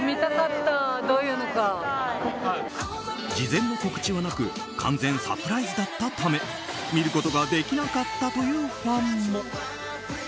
事前の告知はなく完全サプライズだったため見ることができなかったというファンも。